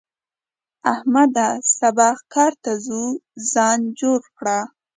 احمده! سبا ښکار ته ځو؛ ځان جوړ کړه.